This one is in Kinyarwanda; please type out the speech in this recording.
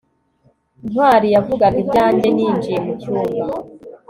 ntwali yavugaga ibyanjye ninjiye mucyumba